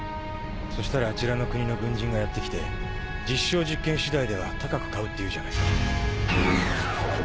そしたらあちらの国の軍人がやって来て実証実験次第では高く買うって言うじゃないか。